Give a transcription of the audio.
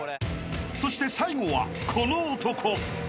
［そして最後はこの男］